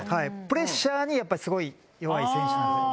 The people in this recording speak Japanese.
プレッシャーにすごい弱い選手なんです。